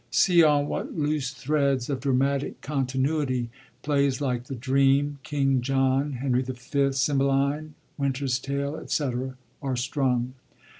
See on what loose threads of dramatic continuity plays like the Dream, King John, Henry F., Cym heline. Winter' a Tale, &c., are strung.